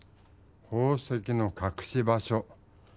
宝石のかくし場所。